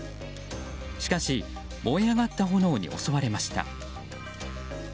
しかし、燃え上がった炎に襲われました。